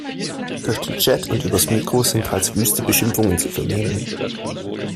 Durch den Chat und übers Mikro sind teils wüste Beschimpfungen zu vernehmen.